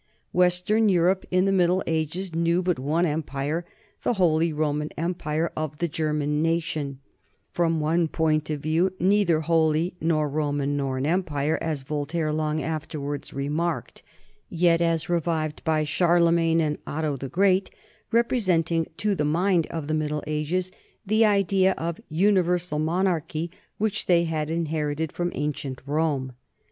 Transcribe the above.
Western Europe in the Middle Ages knew but one empire, the Holy Roman Empire of the German Nation from one point of view neither holy nor Roman nor an empire, as Voltaire long afterward remarked, yet, as revived by Charlemagne and Otto the Great, representing to the mind of the Middle Ages the idea of universal monarchy which they had inherited from ancient Rome.